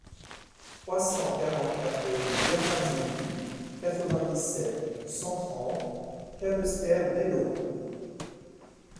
trois cent quarante-quatre rue Bernard Zébus, quatre-vingt-dix-sept, cent trente, Capesterre-Belle-Eau